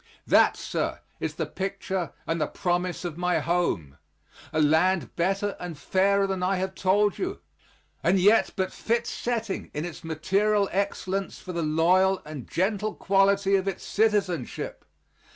That, sir, is the picture and the promise of my home a land better and fairer than I have told you, and yet but fit setting in its material excellence for the loyal and gentle quality of its citizenship.